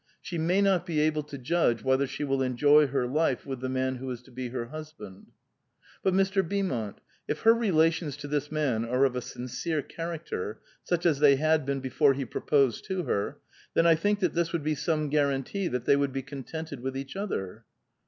i>he may DOt be able to jadge whether she will enjoy her life with the man who is to be her hus band. *' Bat, Mr. Beaumont, if her relations to this man are of a sincere i faarai*ter, sneh as they had been before he proposed to her, then I think that this would be some guarantee that thcT would be contented with each other."